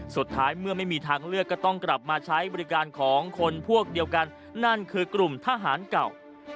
สุดท้ายเมื่อไม่มีทางเลือกก็ต้องกลับมาใช้บริการของคนพวกเดียวกันนั่นคือกลุ่มทหารเก่า